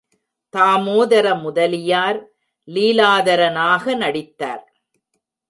தாமோதர முதலியார் லீலாதரனாக நடித்தார்.